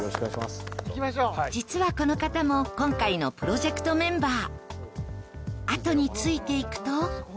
実はこの方も今回のプロジェクトメンバー。